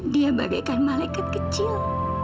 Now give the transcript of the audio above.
dia bagaikan malaikat kecil